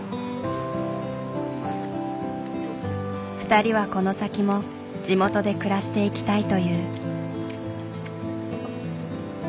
２人はこの先も地元で暮らしていきたいという。